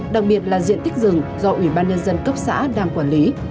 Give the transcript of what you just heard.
đặc biệt là diện tích rừng do ủy ban nhân dân cấp xã đang quản lý